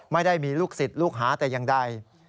ไม่ได้มีลูกสิทธิ์ลูกฮาแต่ยังได้